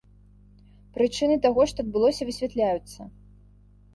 Прычыны таго, што адбылося высвятляюцца.